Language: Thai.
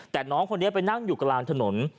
แต่น้องคนนี้ไปนั่งอยู่กลางถนน